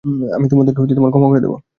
আমি তোমাদেরকে ক্ষমা করে দেব।